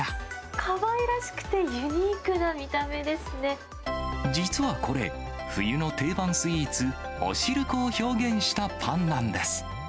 かわいらしくて、ユニークな実はこれ、冬の定番スイーツ、おしるこを表現したパンなんです。